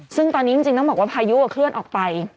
ซึ่งตอนนี้จริงต้องบอกว่าพายุเคลื่อนออกไป